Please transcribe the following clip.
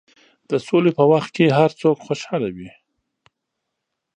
د سولې په وخت کې هر څوک خوشحاله وي.